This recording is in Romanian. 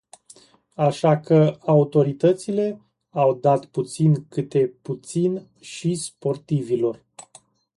Așa că autoritățile au dat puțin câte puțin și sportivilor.